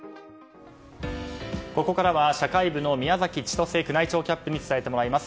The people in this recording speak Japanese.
ここからは、社会部の宮崎千歳宮内庁キャップに伝えてもらいます。